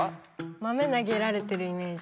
豆なげられてるイメージ。